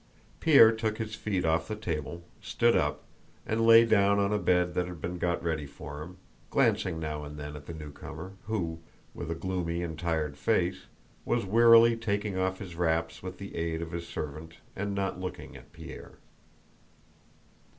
Pierre took his feet off the table, stood up, and lay down on a bed that had been got ready for him, glancing now and then at the newcomer, who, with a gloomy and tired face, was wearily taking off his wraps with the aid of his servant, and not looking at Pierre.